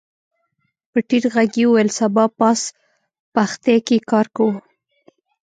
په ټيټ غږ يې وويل سبا پاس پښتې کې کار کوو.